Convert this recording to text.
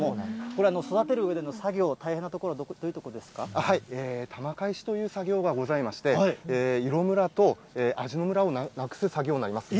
これ、育てるうえでの作業、大変なところはどういうところで玉返しという作業がございまして、色むらと味のむらをなくす作業になりますね。